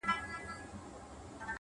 پوهه له تجربې ژوره کېږي,